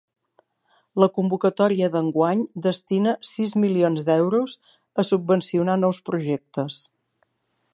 La convocatòria d'enguany destina sis milions d'euros a subvencionar nous projectes.